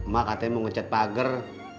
mak katanya mau ngecat pagar